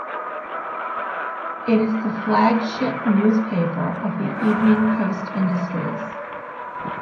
It is the flagship newspaper of the Evening Post Industries.